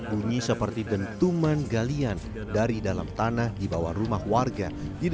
bunyi tumpukan di dalam bumi